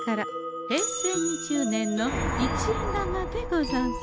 平成２０年の一円玉でござんす。